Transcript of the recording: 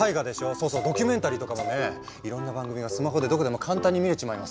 そうそうドキュメンタリーとかもねいろんな番組がスマホでどこでも簡単に見れちまいますよ。